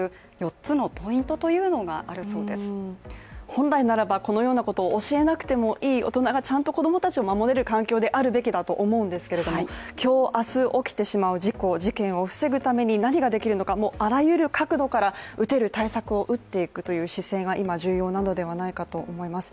本来ならばこのようなことを教えなくてもいい大人がちゃんと子供たちを守れる環境であるべきだと思うんですけれども、今日、明日起きてしまう事故・事件を防ぐために何ができるのか、あらゆる角度から打てる対策を打っていくという姿勢が今、重要なのではないかと思います。